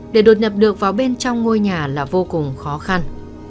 để đột nhập được vào bên trong ngôi nhà là vô cùng khó khăn